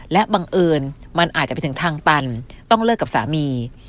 และบังเอิญมันอาจจะไปถึงทางตันต้องเลิกกับสามี